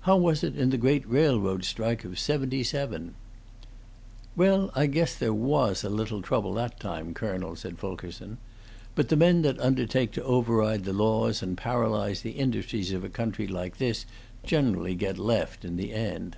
How was it in the great railroad strike of '77?" "Well, I guess there was a little trouble that time, colonel," said Fulkerson. "But the men that undertake to override the laws and paralyze the industries of a country like this generally get left in the end."